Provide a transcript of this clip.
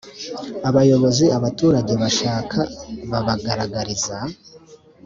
abayobozi abaturage bashaka babagaragariza